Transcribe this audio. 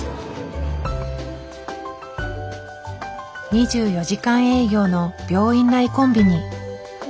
２４時間営業の病院内コンビニ。